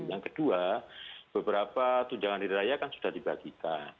yang kedua beberapa tujuan diri raya kan sudah dibagikan